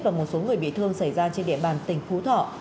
và một số người bị thương xảy ra trên địa bàn tỉnh phú thọ